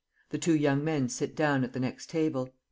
Two young men sit down at the next table.